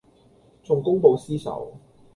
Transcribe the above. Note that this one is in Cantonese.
仲公報私仇